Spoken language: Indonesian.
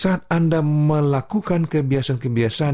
saat anda melakukan kebiasaan kebiasaan